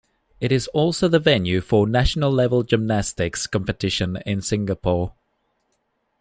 It is also the venue for national-level gymnastics competition in Singapore.